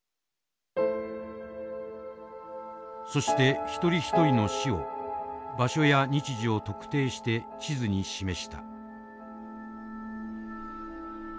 そして一人一人の死を場所や日時を特定して地図に示した。